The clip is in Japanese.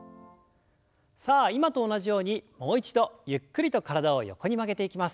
さあ今と同じようにもう一度ゆっくりと体を横に曲げていきます。